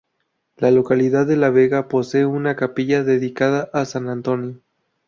La localidad de La Vega posee una capilla dedicada a San Antonio.